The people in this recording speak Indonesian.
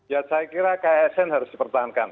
ya saya kira ksn harus dipertahankan